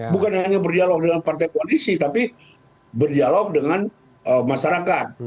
bukan hanya berdialog dengan partai koalisi tapi berdialog dengan masyarakat